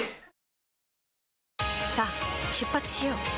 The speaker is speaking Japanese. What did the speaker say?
さあ出発しよう。